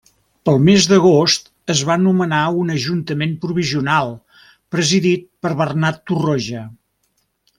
Pel mes d'agost es va nomenar un ajuntament provisional presidit per Bernat Torroja.